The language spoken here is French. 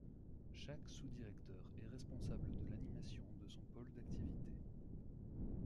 Chaque sous-directeur est responsable de l’animation de son pôle d’activité.